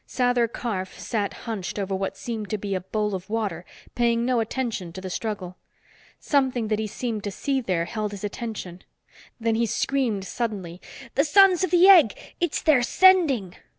Sather Karf sat hunched over what seemed to be a bowl of water, paying no attention to the struggle. Something that he seemed to see there held his attention. Then he screamed suddenly. "The Sons of the Egg. It's their sending!"